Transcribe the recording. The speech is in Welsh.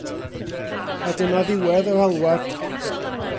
A dyna ddiwedd yr alwad.